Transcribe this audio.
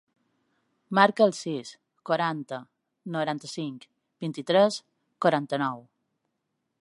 Marca el sis, quaranta, noranta-cinc, vint-i-tres, quaranta-nou.